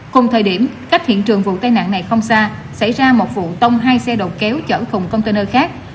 cùng thời điểm cách hiện trường vụ tai nạn này không xa xảy ra một vụ tông hai xe đầu kéo chở cùng container khác